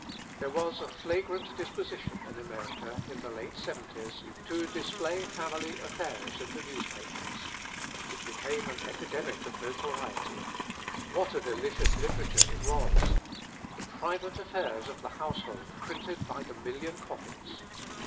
There was a flagrant disposition in America, in the late 'seventies, to display family affairs in the newspapers. It became an epidemic of notoriety. What a delicious literature it was! The private affairs of the household printed by the million copies.